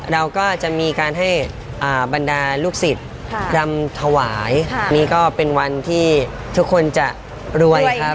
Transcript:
เราก็จะมีการให้บรรดาลูกศิษย์รำถวายนี่ก็เป็นวันที่ทุกคนจะรวยครับ